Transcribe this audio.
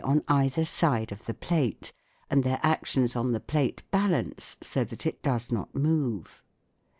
SOUND IN WAR 173 either side of the plate, and their actions on the plate balance, so that it does not move.